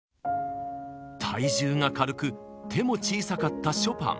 体重が軽く手も小さかったショパン。